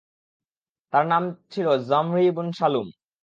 তার নাম ছিল যামরী ইবন শালুম।